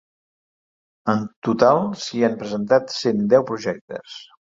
En total s’hi han presentat cent deu projectes.